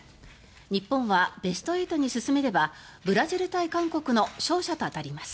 日本はベスト８に進めればブラジル対韓国の勝者と当たります。